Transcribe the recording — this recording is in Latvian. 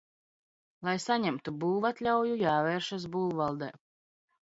Lai saņemtu būvatļauju, jāvēršas būvvaldē.